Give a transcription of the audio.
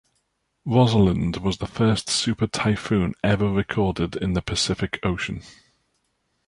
Rosalind was the first super typhoon ever recorded in the Pacific Ocean.